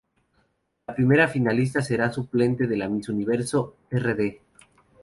La primera finalista será suplente de la miss universo rd.